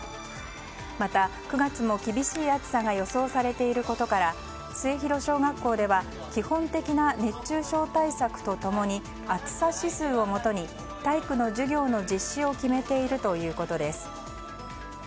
また、９月も厳しい暑さが予想されていることから末広小学校では基本的な熱中症対策と共に暑さ指数をもとに体育の授業の実施を決めているということです。